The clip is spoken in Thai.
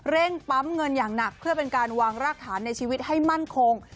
ปั๊มเงินอย่างหนักเพื่อเป็นการวางรากฐานในชีวิตให้มั่นคง